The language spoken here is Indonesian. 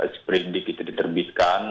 sprint digitu diterbitkan